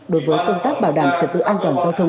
đối với công tác bảo đảm trật tự an toàn giao thông